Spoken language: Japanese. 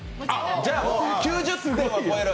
じゃあ９０点は超える？